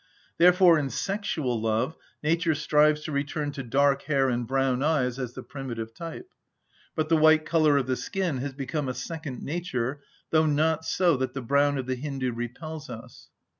(38) Therefore in sexual love nature strives to return to dark hair and brown eyes as the primitive type; but the white colour of the skin has become a second nature, though not so that the brown of the Hindu repels us.